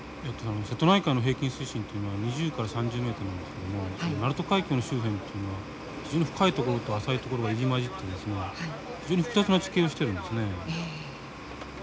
瀬戸内海の平均水深というのは２０から３０ｍなんですけども鳴門海峡の周辺というのは非常に深い所と浅い所が入り交じってるんですが非常に複雑な地形をしてるんですね。